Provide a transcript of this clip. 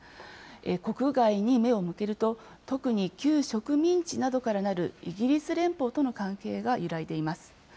国外に目を向けると、特に旧植民地などからなるイギリス連邦との関係が揺らいでいます。